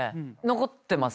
残ってます